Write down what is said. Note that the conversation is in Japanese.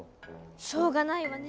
しょうがないわね。